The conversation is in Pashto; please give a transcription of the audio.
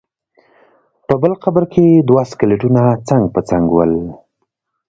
په بل قبر کې دوه سکلیټونه څنګ په څنګ ول.